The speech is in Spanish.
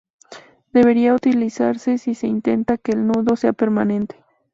Debería utilizarse si se intenta que el nudo sea permanente.